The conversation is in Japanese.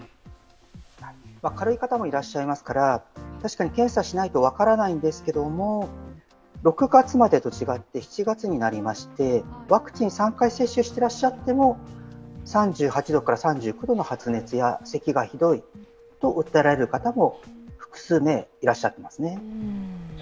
軽い方もいらっしゃいますから、確かに検査しないと分からないんですけれども、６月までと違って、７月になりましてワクチン３回接種していらっしゃっても３８度から３９度の発熱やせきがひどいと訴えられる方も複数名いらっしゃっていますね。